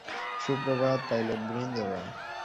সুপ্রভাত, পাইলটবৃন্দরা।